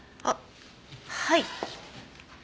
あっはい。